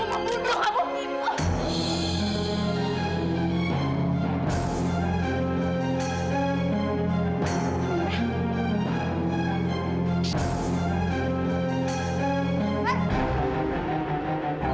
ibu mau bunuh kamu